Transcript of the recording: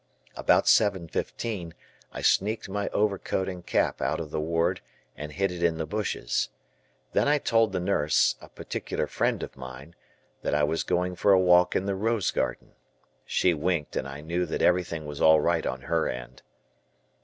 About seven fifteen I sneaked my overcoat and cap out of the ward and hid it in the bushes. Then I told the nurse, a particular friend of mine, that I was going for a walk in the rose garden. She winked and I knew that everything was all right on her end.